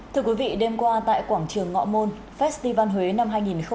thưa quý vị đêm qua tại quảng trường ngọ môn festival huế năm hai nghìn hai mươi hai